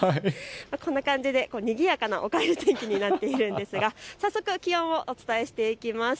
こんな感じでにぎやかなおかえり天気になっているんですが早速、気温をお伝えしていきます。